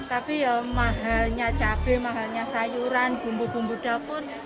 tapi ya mahalnya cabai mahalnya sayuran bumbu bumbu dapur